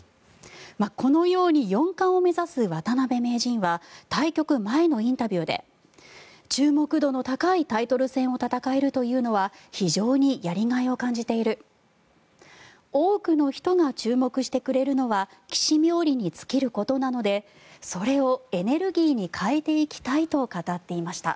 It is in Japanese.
このように四冠を目指す渡辺名人は対局前のインタビューで注目度の高いタイトル戦を戦えるというのは非常にやりがいを感じている多くの人が注目してくれるのは棋士冥利に尽きることなのでそれをエネルギーに変えていきたいと語っていました。